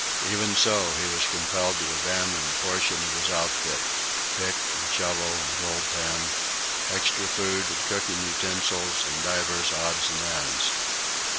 Even so, he was compelled to abandon a portion of his outfit pick and shovel and gold pan, extra food and cooking utensils, and divers odds and ends.